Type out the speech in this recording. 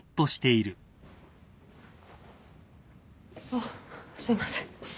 あっすいません。